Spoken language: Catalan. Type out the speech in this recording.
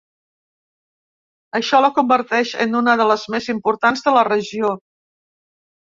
Això la converteix en una de les més importants de la regió.